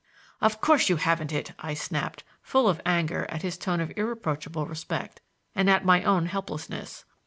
"Of course you haven't it," I snapped, full of anger at his tone of irreproachable respect, and at my own helplessness.